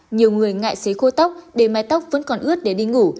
nhiều người ngại xấy khô tóc để mái tóc vẫn còn ướt để đi ngủ